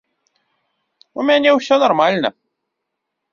У мяне ўсё нармальна.